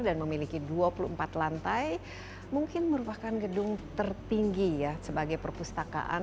dan memiliki dua puluh empat lantai mungkin merupakan gedung tertinggi ya sebagai perpustakaan